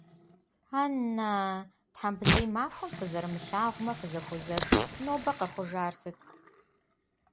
Ан-на, тхьэмбылей махуэм фызэрымылъагъумэ, фызэхуозэш, нобэ къэхъужар сыт?